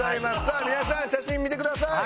さあ皆さん写真見てください。